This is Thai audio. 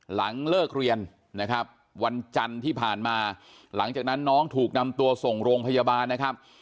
หลังเลิกเรียนนะครับวันจันทร์ที่ผ่านมาหลังจากนั้นน้องถูกนำตัวส่งโรงพยาบาลนะครับ